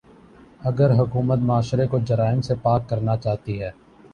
اگر حکومت معاشرے کو جرائم سے پاک کرنا چاہتی ہے۔